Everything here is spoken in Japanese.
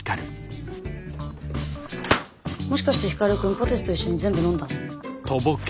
もしかして光くんポテチと一緒に全部飲んだ？